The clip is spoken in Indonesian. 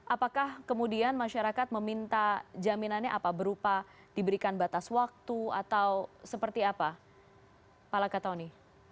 apakah kemudian masyarakat meminta jaminannya apa berupa diberikan batas waktu atau seperti apa pak lakatoni